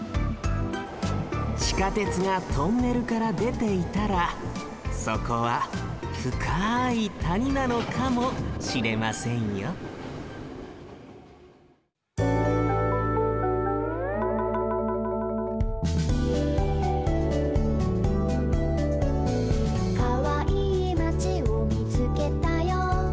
地下鉄がトンネルからでていたらそこはふかいたになのかもしれませんよ「かわいいまちをみつけたよ」